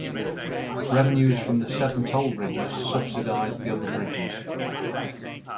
Revenues from the seven toll bridges subsidize the other bridges.